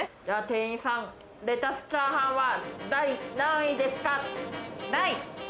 店員さん、レタスチャーハンは第何位ですか？